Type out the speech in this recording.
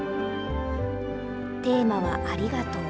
テーマはありがとう。